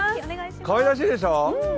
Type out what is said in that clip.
かわいらしいでしょう。